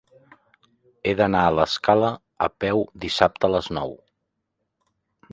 He d'anar a l'Escala a peu dissabte a les nou.